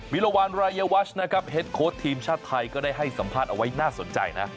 วิรวรรณรายวัชนะครับเฮ็ดโค้ดทีมชาติไทยก็ได้ให้สัมภาษณ์เอาไว้น่าสนใจนะ